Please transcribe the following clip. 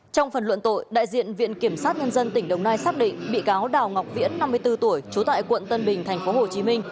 trong phần luận tội đại diện viện kiểm sát nhân dân tỉnh đồng nai xác định bị cáo đào ngọc viễn năm mươi bốn tuổi trú tại quận tân bình tp hcm